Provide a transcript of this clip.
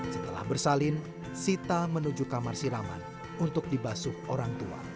setelah bersalin sita menuju kamar siraman untuk dibasuh orang tua